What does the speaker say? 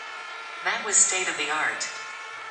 That was state of the art...